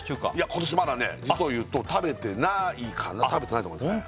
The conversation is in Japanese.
今年まだね実を言うと食べてないかな食べてないと思いますあっ